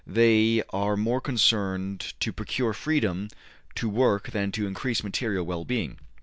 They are more concerned to procure freedom in work than to increase material well being.